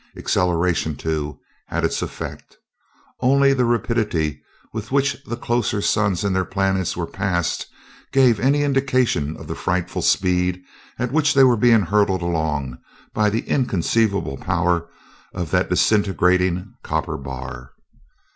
Acceleration, too, had its effect. Only the rapidity with which the closer suns and their planets were passed gave any indication of the frightful speed at which they were being hurtled along by the inconceivable power of that disintegrating copper bar.